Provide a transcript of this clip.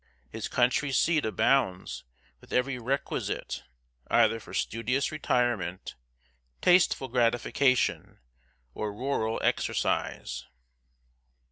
His country seat abounds with every requisite, either for studious retirement, tasteful gratification, or rural exercise.